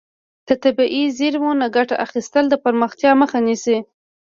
د طبیعي زیرمو نه ګټه اخیستل د پرمختیا مخه نیسي.